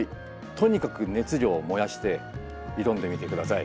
とにかく熱量を燃やして挑んでみて下さい。